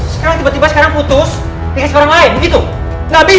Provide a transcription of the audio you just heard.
sekarang tiba tiba putus tinggal seorang lain begitu